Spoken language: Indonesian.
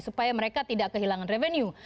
supaya mereka tidak kehilangan revenue